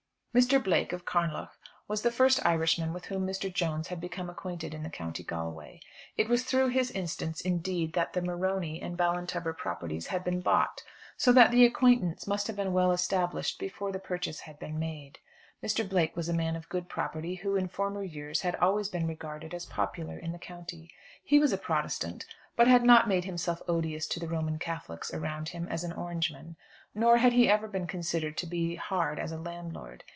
Mr. Blake, of Carnlough, was the first Irishman with whom Mr. Jones had become acquainted in the County Galway. It was through his instance, indeed, that the Morony and Ballintubber properties had been bought, so that the acquaintance must have been well established before the purchase had been made. Mr. Blake was a man of good property, who, in former years, had always been regarded as popular in the county. He was a Protestant, but had not made himself odious to the Roman Catholics around him as an Orangeman, nor had he ever been considered to be hard as a landlord.